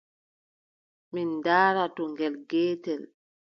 Min ndaara to ngel geetel.